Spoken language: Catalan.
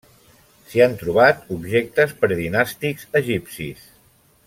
S'hi han trobat objectes predinàstics egipcis.